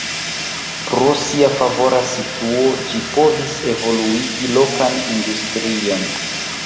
Pro sia favora situo ĝi povis evoluigi lokan industrion.